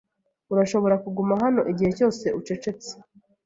Urashobora kuguma hano igihe cyose ucecetse.